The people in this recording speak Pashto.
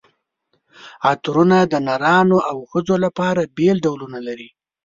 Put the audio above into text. عطرونه د نرانو او ښځو لپاره بېل ډولونه لري.